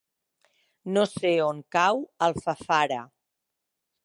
No sé on cau Alfafara.